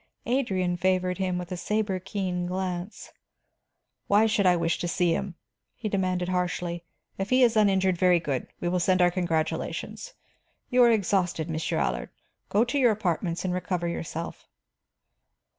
Adrian favored him with a saber keen glance. "Why should I wish to see him?" he demanded harshly. "If he is uninjured, very good; we will send our congratulations. You are exhausted, Monsieur Allard; go to your apartments and recover yourself.